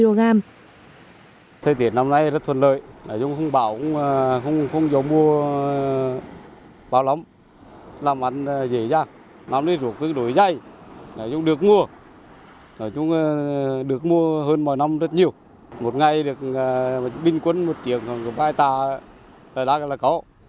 do thể tiết năm nay thuận lợi lại vào mùa sinh sản của ruốc tươi được thương lái thu mua với giá từ một mươi đến hai mươi đồng một kg ruốc khô có giá từ một mươi đến hai mươi đồng một kg